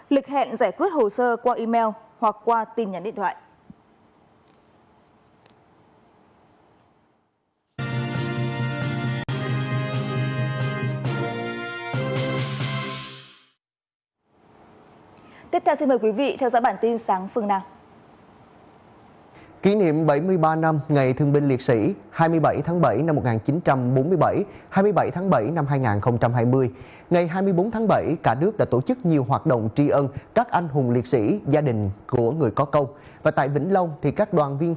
lịch hẹn giải quyết hồ sơ qua email hoặc qua tin nhắn điện thoại